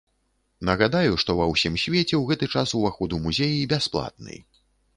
Нагадаю, што ва ўсім свеце ў гэты час уваход у музеі бясплатны.